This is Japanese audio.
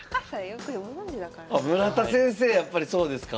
やっぱりそうですか。